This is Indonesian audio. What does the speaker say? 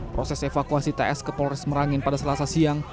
proses evakuasi ts ke polres merangin pada selasa siang